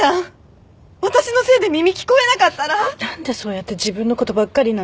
何でそうやって自分のことばっかりなの？